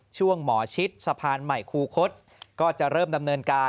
หมอชิดสะพานใหม่คูคศก็จะเริ่มดำเนินการ